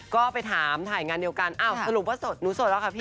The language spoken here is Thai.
ก็ไปถามถ่ายงานเดียวกันอ้าวสรุปว่าหนูโสดแล้วค่ะพี่